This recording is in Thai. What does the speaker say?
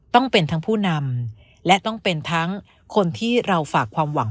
ต้องเป็นทั้งผู้นำและต้องเป็นทั้งคนที่เราฝากความหวัง